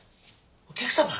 お客様？